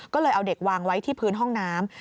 ก็เลยเอาเด็กวางไว้ที่พื้นห้องน้ำ